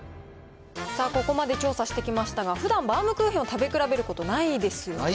さあ、ここまで調査してきましたが、ふだんバウムクーヘンを食べ比べることないですよね。